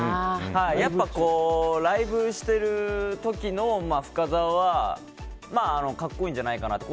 やっぱ、ライブしてる時の深澤は格好いいんじゃないかなって。